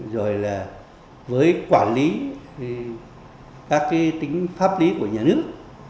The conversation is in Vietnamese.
rồi là với quản lý các cái tính pháp lý của nhà nước